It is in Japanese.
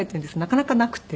なかなかなくて。